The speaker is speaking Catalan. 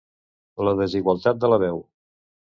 La desigualtat de la veu.